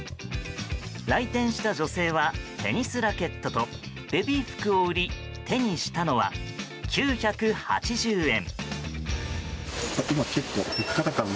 来店した女性はテニスラケットとベビー服を売り手にしたのは９８０円。